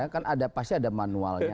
kan pasti ada manualnya